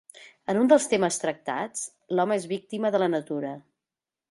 En un dels temes tractats l'home és víctima de la natura.